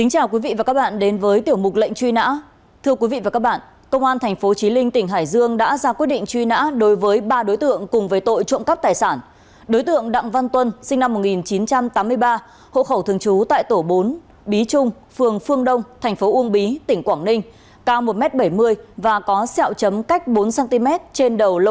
hãy đăng ký kênh để ủng hộ kênh của chúng mình nhé